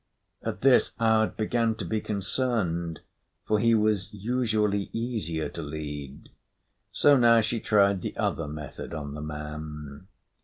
At this Aud began to be concerned, for he was usually easier to lead. So now she tried the other method on the man.